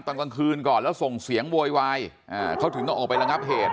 ตอนกลางคืนก่อนแล้วส่งเสียงโวยวายเขาถึงต้องออกไประงับเหตุ